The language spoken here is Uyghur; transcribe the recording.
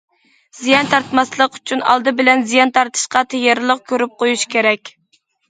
زىيان تارتماسلىق ئۈچۈن ئالدى بىلەن زىيان تارتىشقا تەييارلىق كۆرۈپ قويۇش كېرەك.